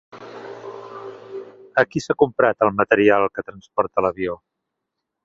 A qui s'ha comprat el material que transporta l'avió?